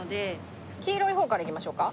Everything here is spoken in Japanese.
黄色い方からいきましょうか。